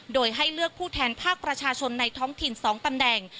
โดยให้เลือกผู้แทนภาคประชาชนในท้องถิ่น๒ตำแหน่ง